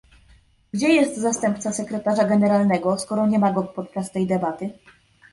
Gdzie jest zastępca Sekretarza Generalnego, skoro nie ma go podczas tej debaty?